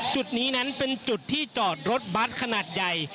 จุดนี้นั้นเป็นจุดที่จอดรถบัตรขนาดใหญ่